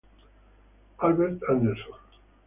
Albert Andersson